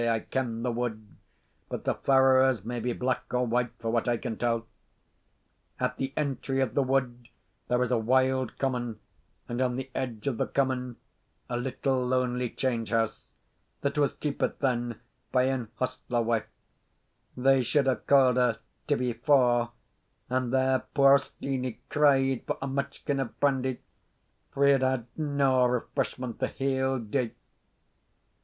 I ken the wood, but the firs may be black or white for what I can tell. At the entry of the wood there is a wild common, and on the edge of the common a little lonely change house, that was keepit then by an hostler wife, they suld hae caa'd her Tibbie Faw, and there puir Steenie cried for a mutchkin of brandy, for he had had no refreshment the haill day.